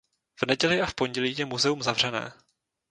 V neděli a v pondělí je muzeum zavřené.